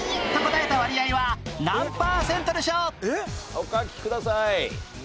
お書きください。